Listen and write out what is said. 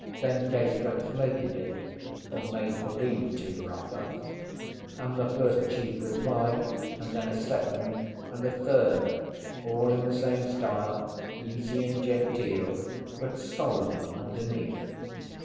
Then Case translated it—or made believe to, rather—and the first chief replied, and then a second, and a third, all in the same style, easy and genteel, but solemn underneath.